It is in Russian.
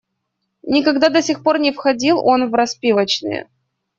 Никогда до сих пор не входил он в распивочные.